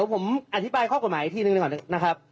ผมอธิบายข้อกรมไหมทีนึงหน่อยนะครับ